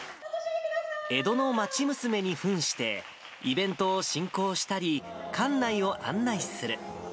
江戸の町娘にふんして、イベントを進行したり、館内を案内する。